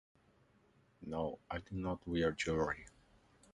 No, I cannot wear jewelry.